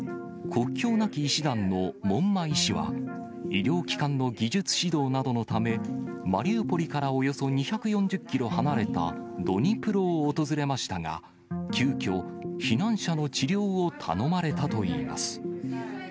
国境なき医師団の門馬医師は、医療機関の技術指導などのため、マリウポリからおよそ２４０キロ離れたドニプロを訪れましたが、急きょ、避難者の治療を頼まれたといいます。